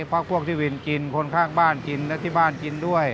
พักพวกที่วินกินคนข้างบ้านกินและที่บ้านกินด้วย